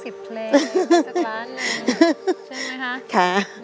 ใช่ค่ะ